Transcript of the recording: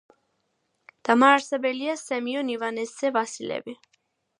დამაარსებელია სემიონ ივანეს ძე ვასილევი.